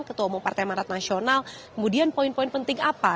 ketua umum partai manat nasional kemudian poin poin penting apa